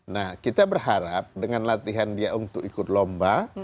nah kita berharap dengan latihan dia untuk ikut lomba